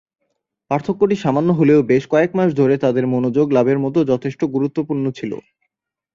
পার্থক্যটি সামান্য হলেও বেশ কয়েক মাস ধরে তাদের মনোযোগ লাভের মত যথেষ্ট গুরুত্বপূর্ণ ছিল।